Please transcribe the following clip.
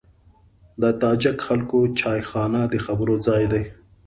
د تاجک خلکو چایخانه د خبرو ځای دی.